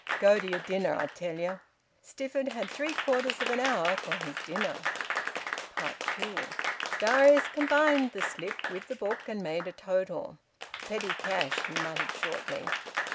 "Go to yer dinner, I tell ye." Stifford had three quarters of an hour for his dinner. TWO. Darius combined the slip with the book and made a total. "Petty cash," he muttered shortly.